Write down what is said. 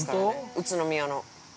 宇都宮の。